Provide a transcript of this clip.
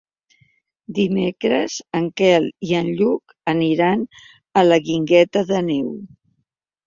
Dimecres en Quel i en Lluc aniran a la Guingueta d'Àneu.